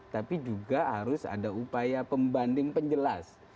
tapi juga harus ada upaya pembanding penjelas